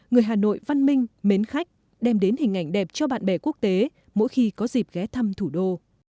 người hà nội văn minh mến khách đem đến hình ảnh đẹp cho bạn bè quốc tế mỗi khi có dịp ghé thăm thủ đô